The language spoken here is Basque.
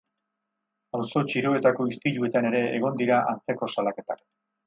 Auzo txiroetako istiluetan ere egon dira antzeko salaketak.